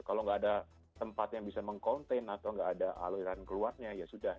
kalau nggak ada tempat yang bisa meng contain atau nggak ada aliran keluarnya ya sudah